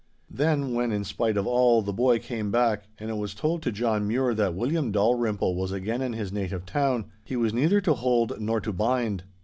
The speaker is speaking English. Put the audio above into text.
'Then when, in spite of all, the boy came back, and it was told to John Mure that William Dalrymple was again in his native town, he was neither to hold nor to bind.